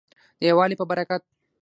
د یووالي په برکت.